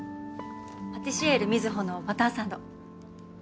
パティシエールみずほのバターサンド。